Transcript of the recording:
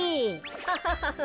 ハハハハ。